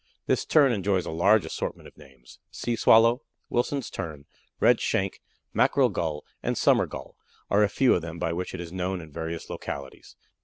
This Tern enjoys a large assortment of names: Sea Swallow, Wilson's Tern, Red Shank, Mackerel Gull, and Summer Gull, are a few of them by which it is known in various localities.